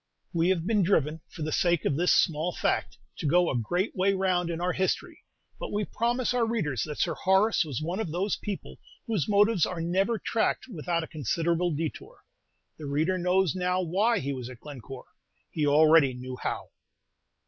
We have been driven, for the sake of this small fact, to go a great way round in our history; but we promise our readers that Sir Horace was one of those people whose motives are never tracked without a considerable détour. The reader knows now why he was at Glencore, he already knew how.